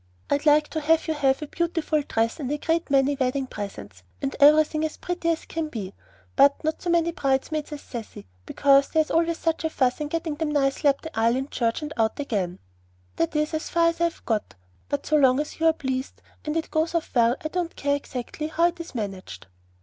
I'd like to have you have a beautiful dress and a great many wedding presents and everything as pretty as can be, but not so many bridesmaids as Cecy, because there is always such a fuss in getting them nicely up the aisle in church and out again, that is as far as I've got. But so long as you are pleased, and it goes off well, I don't care exactly how it is managed."